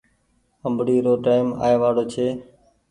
آمبڙي رو ٽئيم آئي وآڙو ڇي۔